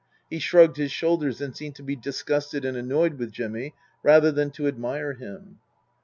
He shrugged his shoulders and seemed to be disgusted and annoyed with Jimmy rather than to admire him.